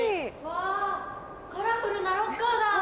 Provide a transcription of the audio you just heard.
わカラフルなロッカーだ。